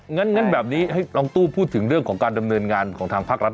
งั้นแบบนี้ให้น้องตู้พูดถึงเรื่องของการดำเนินงานของทางภาครัฐ